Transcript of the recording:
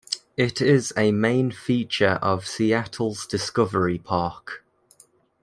It is a main feature of Seattle's Discovery Park.